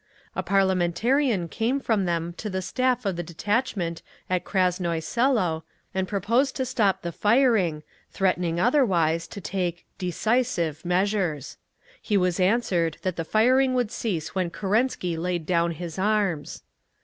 A parliamentarian came from them to the staff of the detachment at Krasnoye Selo, and proposed to stop the firing, threatening otherwise to take "decisive" measures. He was answered that the firing would cease when Kerensky laid down his arms.